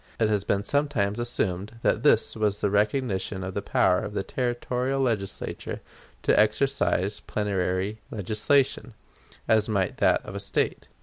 It has been sometimes assumed that this was the recognition of the power of the Territorial Legislature to exercise plenary legislation, as might that of a State.